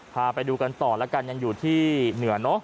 พาไปดูกันต่อแล้วกันยังอยู่ที่เหนือเนอะ